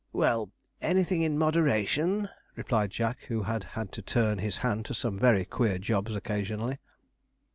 'Well, anything in moderation,' replied Jack, who had had to turn his hand to some very queer jobs occasionally.